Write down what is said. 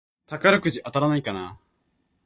宝くじ当たらないかなぁ